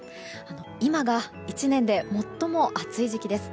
今が１年で最も暑い時期です。